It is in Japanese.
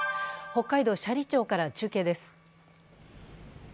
北海道斜里町から中継です。